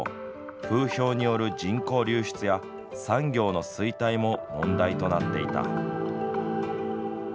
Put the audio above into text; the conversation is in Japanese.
風評による人口流出や産業の衰退も問題となっていた。